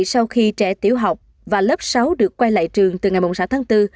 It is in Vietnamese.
sau khi trẻ tiểu học và lớp sáu được quay lại trường từ ngày sáu tháng bốn